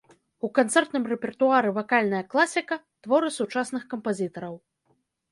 У канцэртным рэпертуары вакальная класіка, творы сучасных кампазітараў.